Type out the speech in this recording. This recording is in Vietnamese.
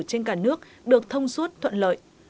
trên cả nước được thông suốt thuận lợi